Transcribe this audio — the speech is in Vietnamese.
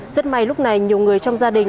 rất may lúc này nhiều người trong gia đình